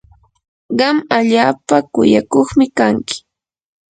qam allaapa kuyakuqmi kanki.